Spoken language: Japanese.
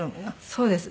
そうです。